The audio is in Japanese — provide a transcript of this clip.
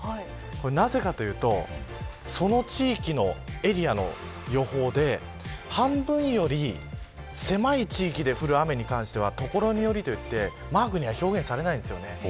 なぜかというとその地域のエリアの予報で半分より狭い地域で降る雨に関しては所によりといってマークには表現されないんです。